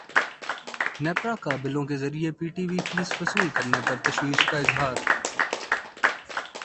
نیپرا کا بلوں کے ذریعے پی ٹی وی فیس وصول کرنے پر تشویش کا اظہار